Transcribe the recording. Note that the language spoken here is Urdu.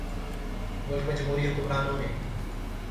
ملک میں جمہوری حکمرانوں نے